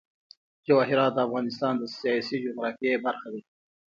جواهرات د افغانستان د سیاسي جغرافیه برخه ده.